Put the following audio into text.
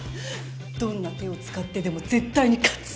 どんな手を使ってでも絶対に勝つ！